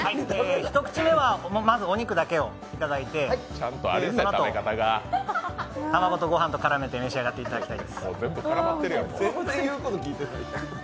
ひとくち目はまずお肉だけをいただいて、そのあと、卵とご飯と絡めて召し上がってみてください。